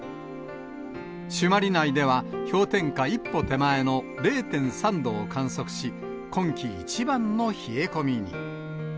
朱鞠内では氷点下一歩手前の０．３度を観測し、今季一番の冷え込みに。